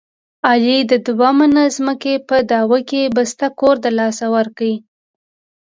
علي د دوه منه ځمکې په دعوه کې بسته کور دلاسه ورکړ.